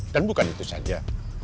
dan bukan itu saja